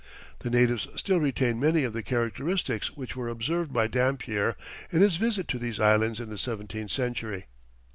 The natives still retain many of the characteristics which were observed by Dampier in his visit to these islands in the seventeenth century.